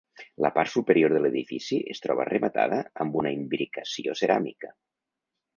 La part superior de l'edifici es troba rematada amb una imbricació ceràmica.